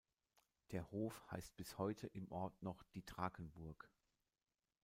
Der Hof heißt bis heute im Ort noch die „Drakenburg“.